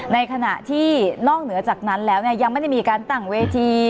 ในขณะที่นอกเหนือจากนั้นแล้วยังไม่ได้มีการตั้งเวที